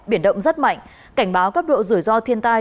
biển động rất mạnh cảnh báo cấp độ rủi ro thiên tai